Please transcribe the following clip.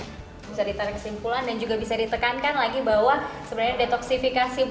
bisa ditarik kesimpulan dan juga bisa ditekankan lagi bahwa susu ini tidak hanya berbahaya tapi juga bisa membuat kita lebih baik